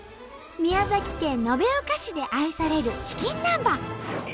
宮崎県延岡市で愛されるチキン南蛮。